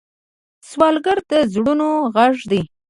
سوالګر د زړونو غږ دی